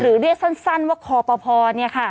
หรือเรียกสั้นว่าคอพอนี่ค่ะ